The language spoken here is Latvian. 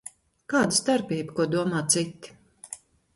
Kāda starpība, ko domā citi?